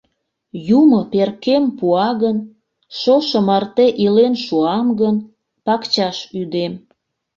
Юмо перкем пуа гын, шошо марте илен шуам гын, пакчаш ӱдем...